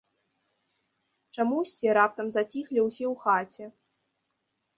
Чамусьці раптам заціхлі ўсе ў хаце.